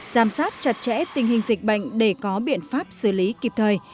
giám sát chặt chẽ tình hình dịch bệnh để có biện pháp xử lý kịp thời